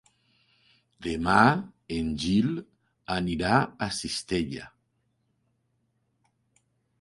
Demà en Gil anirà a Cistella.